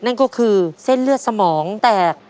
นั่นก็คือเส้นเลือดสมองแตก